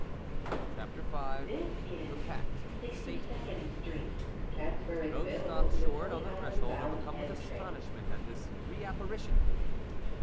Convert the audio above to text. CHAPTER V THE PACT WITH SATAN '"pHIBAULT stopped short on the threshold, overcome with astonish ment at this re apparition.